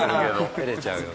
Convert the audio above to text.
照れちゃうよね。